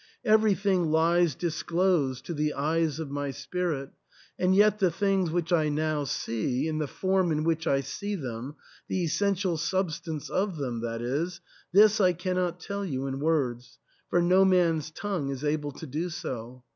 Everything lies disclosed to the eyes of my spirit And yet the things which I now see, in the form in which I see them — the essential substance of them, that is — this I cannot tell you in words ; for no man's tongue is able to do so.